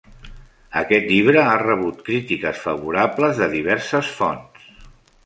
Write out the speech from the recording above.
Aquest llibre ha rebut crítiques favorables de diverses fonts.